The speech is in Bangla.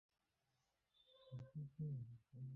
তোমার সহজে মাথায় ঢোকে না, তাই না?